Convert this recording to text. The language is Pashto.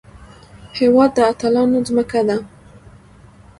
هېواد د اتلانو ځمکه ده